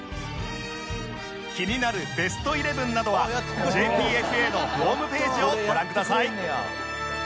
気になるベストイレブンなどは ＪＰＦＡ のホームページをご覧ください